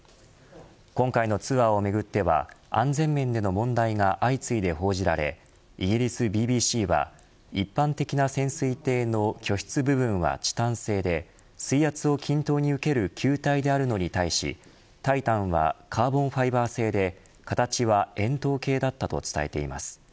今回のツアーをめぐっては安全面での問題が相次いで報じられイギリスＢＢＣは一般的な潜水艇の居室部分はチタン製で水圧を均等に受ける球体であるのに対しタイタンはカーボンファイバー製で形は円筒形だったと伝えています。